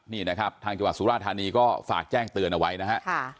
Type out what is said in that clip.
นี่นะครับทางจังหวัดสุราธานีก็ฝากแจ้งเตือนเอาไว้นะฮะ